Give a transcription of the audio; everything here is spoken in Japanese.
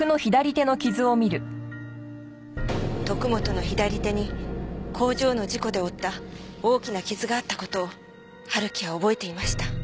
徳本の左手に工場の事故で負った大きな傷があった事を春樹は覚えていました。